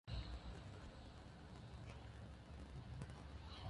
Busca la palabra justa con un estilo elegante que no excluye una expresión vigorosa.